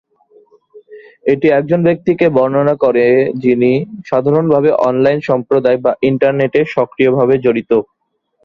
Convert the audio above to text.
এটি একজন ব্যক্তিকে বর্ণনা করে যিনি সাধারণভাবে অনলাইন সম্প্রদায় বা ইন্টারনেটে সক্রিয়ভাবে জড়িত।